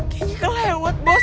kayaknya kelewat bos